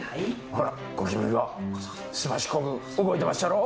ほらゴキブリがすばしっこく動いてまっしゃろ？